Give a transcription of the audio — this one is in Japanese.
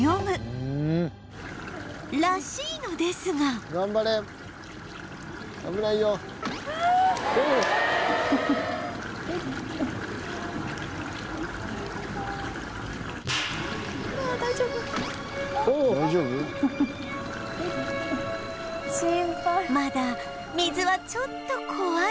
まだ水はちょっと怖い様子